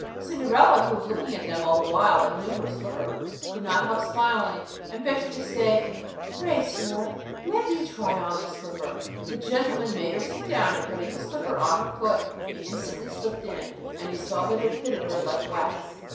Cinderella who was looking at them all the while, and knew her slipper, could not help smiling, and ventured to say, "Pray, sir, let me try to get on the slipper." The gentleman made her sit down; and putting the slipper to her foot, it instantly slipped in, and he saw that it fitted her like wax.